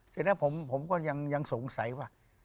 เสร็จแล้วผมก็ยังสงสัยว่า